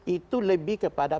itu lebih kepada